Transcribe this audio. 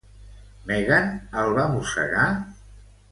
Megan el va mossegar?